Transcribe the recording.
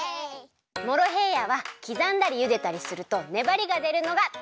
モロヘイヤはきざんだりゆでたりするとねばりがでるのがとくちょう。